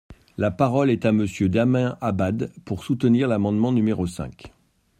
La parole est à Monsieur Damien Abad, pour soutenir l’amendement numéro cinq.